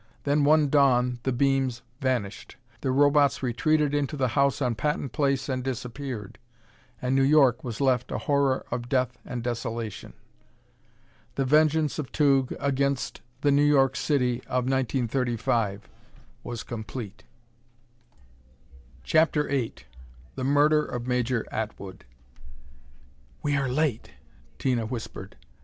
Then, one dawn, the beams vanished; the Robots retreated into the house on Patton Place and disappeared; and New York was left a horror of death and desolation. The vengeance of Tugh against the New York City of 1935 was complete. CHAPTER VIII The Murder of Major Atwood "We are late," Tina whispered.